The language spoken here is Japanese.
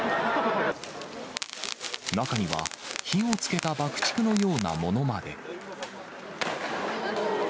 中には火をつけた爆竹のようなものまで。